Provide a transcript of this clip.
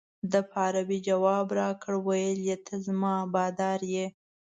ده په عربي جواب راکړ ویل ته زما بادار یې.